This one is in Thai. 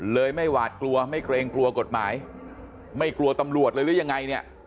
ไม่หวาดกลัวไม่เกรงกลัวกฎหมายไม่กลัวตำรวจเลยหรือยังไงเนี่ย